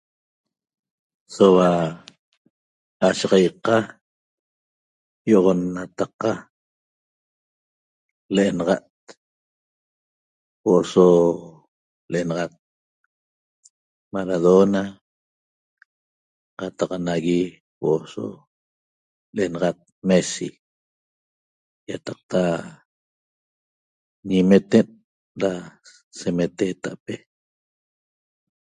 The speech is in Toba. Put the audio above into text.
Soua ashaxaiqa ýi'oxonnataqa l'enaxa't huo'o so l'enaxat Maradona qataq nagui huo'o so l'enaxat Messi ýataqta ñimeten' da semeteeta'pe